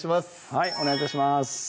はいお願い致します